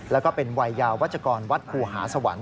แล้วก็เป็นวัยยาวัชกรวัดครูหาสวรรค์